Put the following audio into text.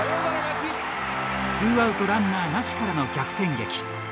ツーアウトランナーなしからの逆転劇。